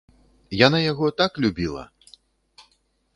Яна яго так любіла!